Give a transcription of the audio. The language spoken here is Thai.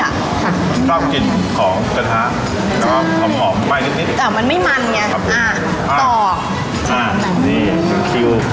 ค่ะชอบกินของกระทะใช่แล้วก็อ๋อมไหวนิดนิดแต่มันไม่มันไงอ่ะตอกน่ะนี่